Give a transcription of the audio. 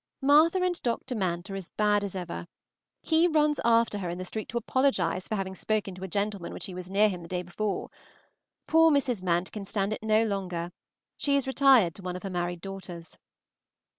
Martha and Dr. Mant are as bad as ever; he runs after her in the street to apologize for having spoken to a gentleman while she was near him the day before. Poor Mrs. Mant can stand it no longer; she is retired to one of her married daughters'.